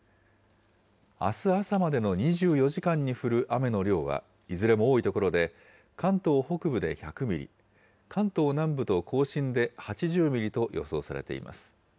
あす朝までの２４時間に降る雨の量は、いずれも多い所で、関東北部で１００ミリ、関東南部と甲信で８０ミリと予想されています。